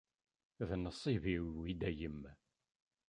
D nnṣib-iw, i dayem.